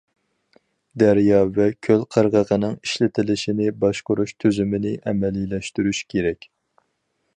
دەريا ۋە كۆل قىرغىقىنىڭ ئىشلىتىلىشىنى باشقۇرۇش تۈزۈمىنى ئەمەلىيلەشتۈرۈش كېرەك.